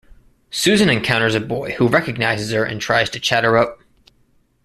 Susan encounters a boy who recognizes her and tries to chat her up.